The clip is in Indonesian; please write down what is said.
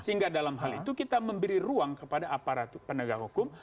sehingga dalam hal itu kita memberi ruang kepada aparat penegak hukum